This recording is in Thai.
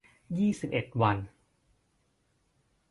ยี่สิบเอ็ด วัน